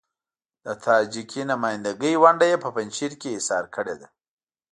د تاجکي نمايندګۍ ونډه يې په پنجشیر کې اېسار کړې ده.